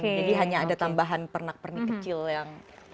jadi hanya ada tambahan pernak pernik kecil yang